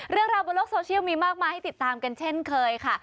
เรื่องราวบนโลกโซเชียลมีมากมายให้ติดตามกันเช่นเคยค่ะ